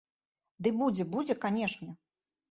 Ды будзе, будзе, канешне.